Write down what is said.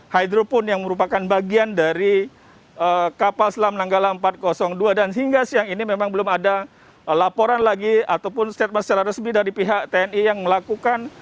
hydro pun yang merupakan bagian dari kapal selam nanggala empat ratus dua dan hingga siang ini memang belum ada laporan lagi ataupun statement secara resmi dari pihak tni yang melakukan